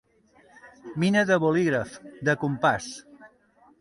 Mina de bolígraf, de compàs.